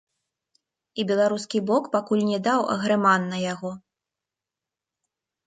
І беларускі бок пакуль не даў агрэман на яго.